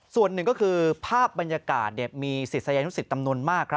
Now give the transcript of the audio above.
ส่วนหนึ่งก็คือภาพบรรยากาศมีศิษยานุสิตจำนวนมาก